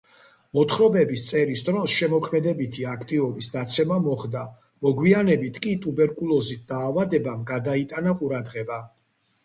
მოთხრობების წერის დროს შემოქმედებითი აქტივობის დაცემა მოხდა, მოგვიანებით კი ტუბერკულოზით დაავადებამ გადაიტანა ყურადღება.